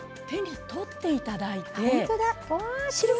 取っていただいて。